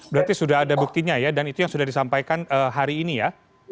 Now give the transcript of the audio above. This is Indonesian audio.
berarti sudah ada buktinya ya dan itu yang sudah disampaikan hari ini ya